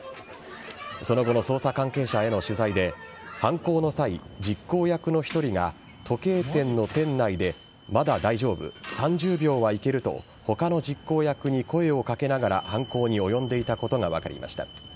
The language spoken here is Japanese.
その後の捜査関係者への取材で犯行の際、実行役の１人が時計店の店内でまだ大丈夫、３０秒はいけると他の実行役に声をかけながら犯行に及んでいたことが分かりました。